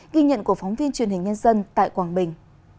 ghi nhận của phóng viên truyền hình nhân dân tại quảng bình